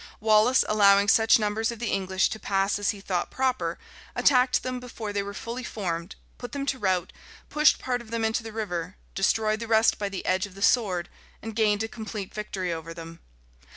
Wallace, allowing such numbers of the English to pass as he thought proper, attacked them before they were fully formed, put them to rout, pushed part of them into the river, destroyed the rest by the edge of the sword, and gained a complete victory over them.